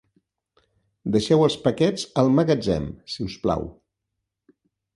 Deixeu els paquets al magatzem, si us plau.